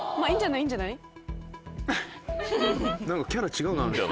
いいんじゃないいいんじゃない。